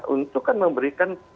untuk kan memberikan